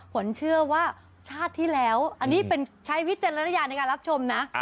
ฝนเชื่อว่าชาติที่แล้วอันนี้เป็นใช้วิจารณญาณในการรับชมนะ